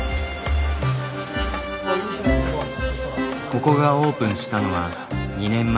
ここがオープンしたのは２年前。